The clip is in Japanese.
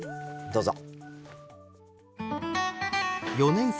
どうぞ。